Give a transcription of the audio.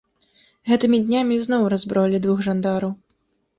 Гэтымі днямі ізноў раззброілі двух жандараў.